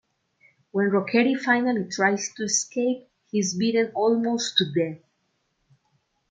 When Rocchetti finally tries to escape, he is beaten almost to death.